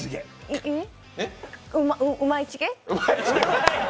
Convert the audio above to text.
うまいチゲ？